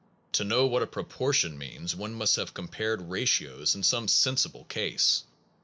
To know what a proportion means one must have compared ratios in some sensible case.